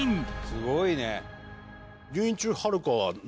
すごいね！